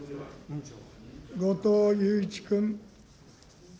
後藤祐一君。